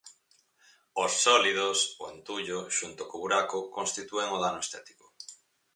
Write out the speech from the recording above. Os sólidos, o entullo, xunto co buraco, constitúen o dano estético.